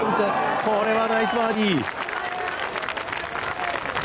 これはナイスバーディー！